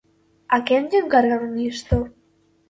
¿A quen lle encargaron isto?